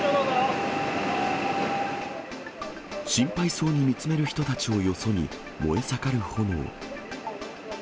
心配そうに見つめる人たちをよそに、燃え盛る炎。